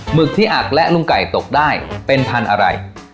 หึกที่อักและลุงไก่ตกได้เป็นพันธุ์อะไร